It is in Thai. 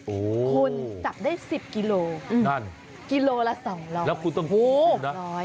โอ้โหคุณจับได้สิบกิโลนั่นกิโลละสองร้อยแล้วคุณต้องหูนะ